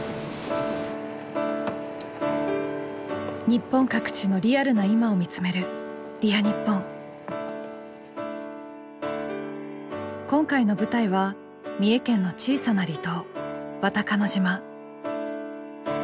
日本各地のリアルな今を見つめる今回の舞台は三重県の小さな離島渡鹿野島。